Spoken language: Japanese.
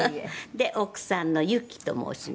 「奥さんの由紀と申します」